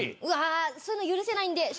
うわそういうの許せないんで。